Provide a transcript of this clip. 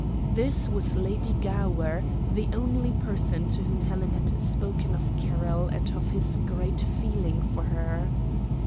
This was Lady Gower, the only person to whom Helen had spoken of Carroll and of his great feeling for her.